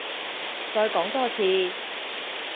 再講多次？